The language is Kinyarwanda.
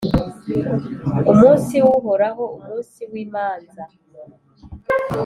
Umunsi w’Uhoraho, umunsi w’imanza